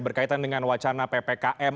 berkaitan dengan wacana ppkm